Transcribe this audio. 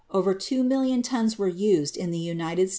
, Over two million tons were used in the United States in 1908.